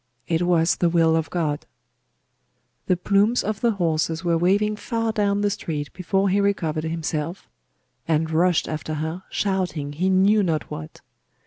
It was the will of God! The plumes of the horses were waving far down the street before he recovered himself, and rushed after her, shouting he knew not what.